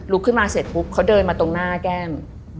ขึ้นมาเสร็จปุ๊บเขาเดินมาตรงหน้าแก้ม